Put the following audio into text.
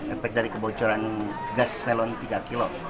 efek dari kebocoran gas melon tiga kilo